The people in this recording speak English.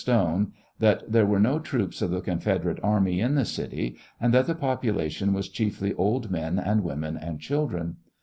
Stone that thei e were no troops of the Confederate army in the city, and tliat the population was chiefly old men, and women and children.